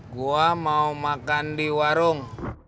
gue mau makan di warung